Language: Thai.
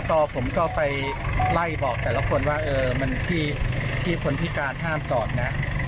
ก็ผมก็ไปไล่บอกแต่ละคนว่ามันที่คนพิการห้ามจอดนะ